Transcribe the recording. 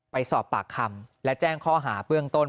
ไปสอบปากคำและแจ้งข้อหาเบื้องต้น